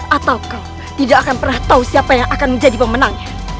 atau kau tidak akan pernah tahu siapa yang akan menjadi pemenang